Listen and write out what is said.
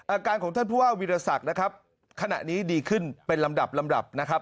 อาการของท่านผู้ว่าวิทยาศักดิ์ขณะนี้ดีขึ้นเป็นลำดับ